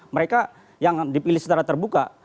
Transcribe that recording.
mereka yang dipilih secara terbuka